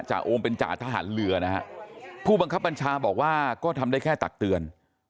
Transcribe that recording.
โอมเป็นจ่าทหารเรือนะฮะผู้บังคับบัญชาบอกว่าก็ทำได้แค่ตักเตือน